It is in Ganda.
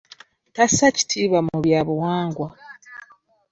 Tassa kitiibwa mu byabuwangwa.